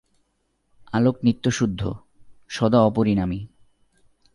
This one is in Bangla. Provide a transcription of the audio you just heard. আলোক নিত্যশুদ্ধ, সদা অপরিণামী।